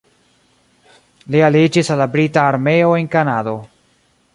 Li aliĝis al la brita armeo en Kanado.